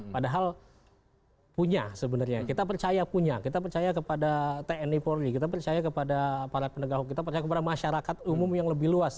padahal punya sebenarnya kita percaya punya kita percaya kepada tni polri kita percaya kepada para penegak hukum kita percaya kepada masyarakat umum yang lebih luas